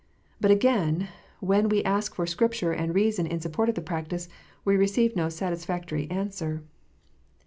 But, again, when we ask for Scripture and reason in support of the practice, we receive no satisfactory answer.